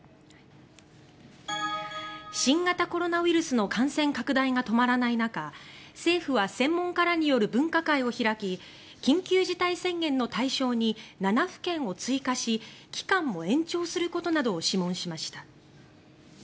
新型コロナウイルスの感染拡大が止まらない中政府は専門家らによる分科会を開き緊急事態宣言の対象に７府県を追加し期間も延長することなどを諮問しました。